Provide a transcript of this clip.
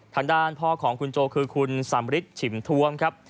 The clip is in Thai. ทางด้านพ่อของคุณโจคือคุณสำริทฉิมทวมครับ